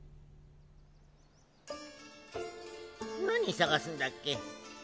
何探すんだっけ？